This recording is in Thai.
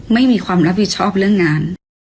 ไม่มีความรับผิดชอบเรื่องงาน